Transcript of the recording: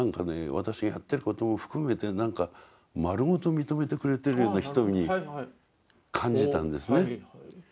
私がやってることも含めて何か丸ごと認めてくれてるような瞳に感じたんですね。